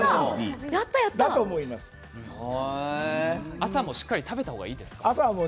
朝もしっかり食べた方がいいですか。